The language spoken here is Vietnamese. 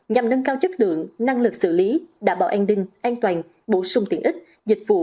nhằm nâng cao chất lượng năng lực xử lý đảm bảo an ninh an toàn bổ sung tiện ích dịch vụ